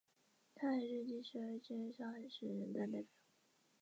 专利流氓收购专利的主要目的是要以侵犯专利的名义起诉其他科技公司。